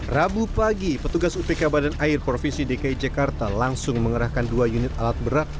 rabu pagi petugas upk badan air provinsi dki jakarta langsung mengerahkan dua unit alat berat